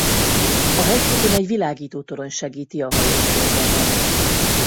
A hegyfokon egy világítótorony segíti a hajóforgalmat.